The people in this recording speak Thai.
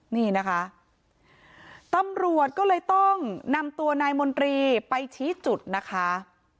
นี่นะคะตำรวจก็เลยต้องนำตัวนายมนตรีไปชี้จุดนะคะ